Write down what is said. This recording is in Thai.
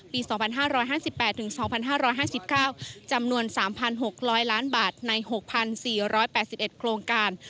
ปี๒๕๕๘๒๕๕๙จำนวน๓๖๐๐ล้านบาทใน๖๔๘๑โครงการ